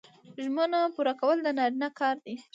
ژمنه پوره کول د نارینه کار دی